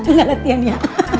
enggak latihan ya